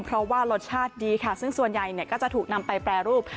เพราะว่ารสชาติดีค่ะซึ่งส่วนใหญ่ก็จะถูกนำไปแปรรูป